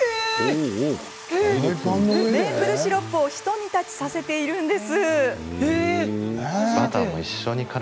メープルシロップをひと煮立ちさせているんです。